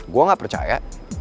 gue gak percaya